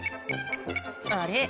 あれ？